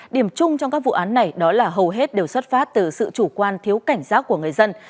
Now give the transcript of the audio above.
điểm chung trong các vụ án này đó là hầu hết đều xuất phát từ sự chủ quan thiếu cảnh giác của người dân